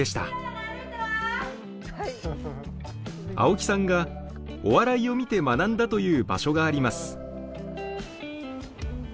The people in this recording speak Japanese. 青木さんがお笑いを見て学んだという場所があります。